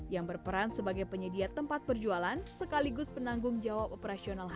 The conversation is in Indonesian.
yang berperan sebagai penyedia tempat perjualan sekaligus penanggung jawab operasional